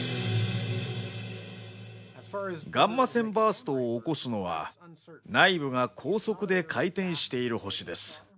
ガンマ線バーストを起こすのは内部が高速で回転している星です。